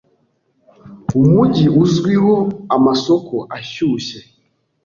Umujyi uzwiho amasoko ashyushye.